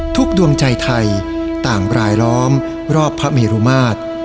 ดวงใจไทยต่างรายล้อมรอบพระเมรุมาตร